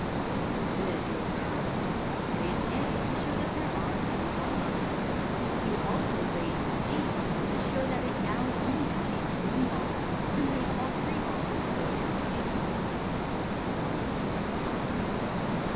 Here it is, you observe." Y'ou raise A to show that there are two balls under it You also raise C to •how that it now only contains one ball, and leave all three balls exposed on the table.